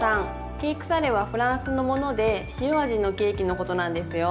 ケークサレはフランスのもので塩味のケーキのことなんですよ。